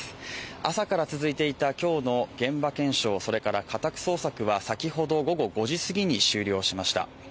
朝から続いていた今日の現場検証、それから家宅捜索は先ほど午後５時すぎに終了しました。